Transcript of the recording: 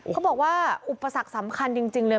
เขาบอกว่าอุปสรรคสำคัญจริงเลย